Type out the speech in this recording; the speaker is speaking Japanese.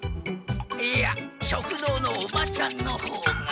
いや食堂のおばちゃんの方が。